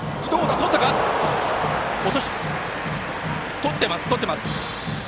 とっています。